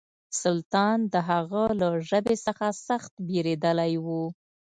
سلطان د هغه له ژبې څخه سخت بېرېدلی و.